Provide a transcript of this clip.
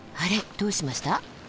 どうしました？